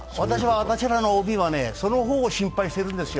私らＯＢはね、その方を心配しているんですよ。